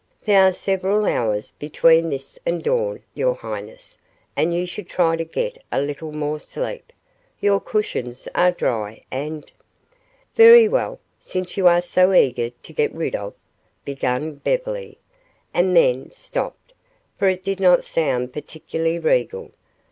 "There are several hours between this and dawn, your highness, and you should try to get a little more sleep. Your cushions are dry and " "Very well, since you are so eager to get rid of " began Beverly, and then stopped, for it did not sound particularly regal.